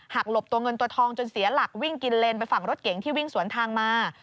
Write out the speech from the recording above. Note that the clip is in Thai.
หลบตัวเงินตัวทองจนเสียหลักวิ่งกินเลนไปฝั่งรถเก๋งที่วิ่งสวนทางมา